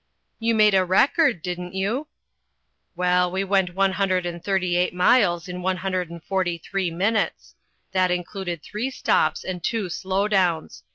"You made a record, didn't you?" "Well, we went one hundred and thirty eight miles in one hundred and forty three minutes; that included three stops and two slow downs.